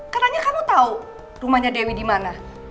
karena kamu tau rumahnya dewi dimana